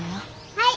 はい。